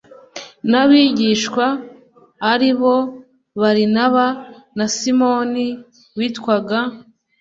n abigisha ari bo barinaba na simoni witwaga